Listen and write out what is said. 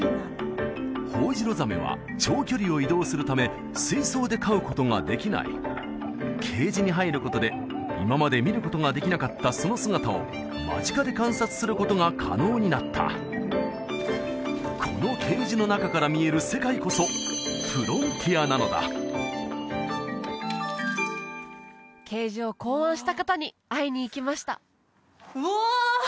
ホホジロザメは長距離を移動するため水槽で飼うことができないケージに入ることで今まで見ることができなかったその姿を間近で観察することが可能になったこのケージの中から見える世界こそケージを考案した方に会いに行きましたうわ！